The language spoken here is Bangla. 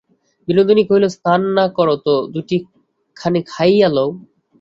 বিনোদিনী কহিল, স্নান না কর তো দুটিখানি খাইয়া লও।